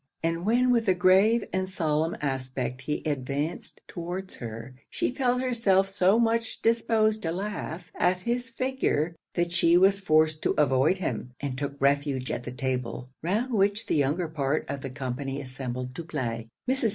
And when with a grave and solemn aspect he advanced towards her, she felt herself so much disposed to laugh at his figure, that she was forced to avoid him, and took refuge at the table, round which the younger part of the company assembled to play. Mrs.